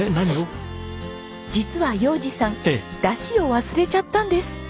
実は洋治さん出汁を忘れちゃったんです。